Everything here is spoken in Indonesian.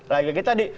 lagi kayak tadi